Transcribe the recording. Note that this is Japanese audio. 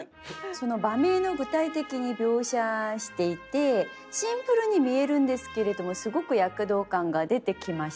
その場面を具体的に描写していてシンプルに見えるんですけれどもすごく躍動感が出てきました。